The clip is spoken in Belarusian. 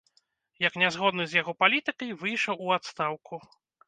Як нязгодны з яго палітыкай, выйшаў у адстаўку.